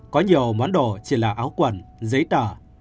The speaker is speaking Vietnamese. có nhiều món đồ chỉ là áo quần giấy tờ